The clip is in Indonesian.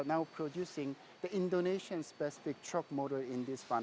kami memproduksi mobil axo spesifik untuk indonesia di vanaherang